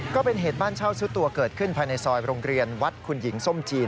ก็เป็นเหตุบ้านเช่าซุดตัวเกิดขึ้นภายในซอยโรงเรียนวัดคุณหญิงส้มจีน